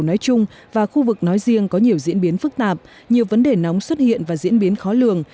nói chung và khu vực nói riêng có nhiều diễn biến phức tạp nhiều vấn đề nóng xuất hiện và diễn biến khó lường